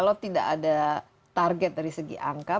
mungkin fahri ada target yang bisa kita lakukan